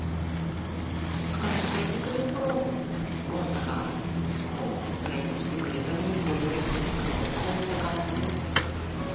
疲れて帰ってくるとゴン太が迎えに来てくれたり寄り添ってくれたりこういった感じで。